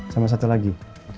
sama satu lagi